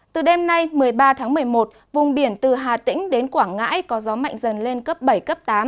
từ đêm nay một mươi ba tháng một mươi một vùng biển từ hà tĩnh đến quảng ngãi có gió mạnh dần lên cấp bảy cấp tám